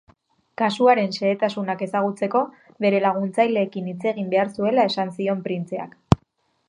Kasuaren xehetasunak ezagutzeko bere laguntzaileekin hitz egin behar zuela esan zion printzeak.